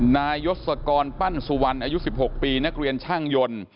นายยศกรปั้นสุวรรณอายุ๑๖ปีนักเรียนช่างยนต์